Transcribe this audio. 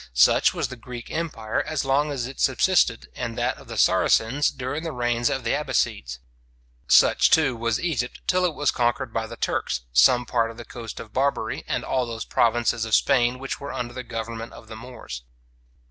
Such was the Greek empire as long as it subsisted, and that of the Saracens during the reigns of the Abassides. Such, too, was Egypt till it was conquered by the Turks, some part of the coast of Barbary, and all those provinces of Spain which were under the government of the Moors.